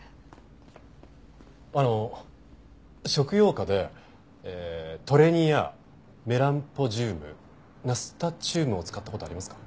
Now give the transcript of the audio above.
あの食用花でええトレニアメランポジュームナスタチュームを使った事ありますか？